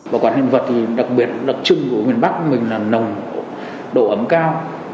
và các hình vật đặc trưng của miền bắc của mình là nồng độ ấm cao